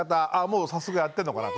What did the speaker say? もう早速やってんのかな。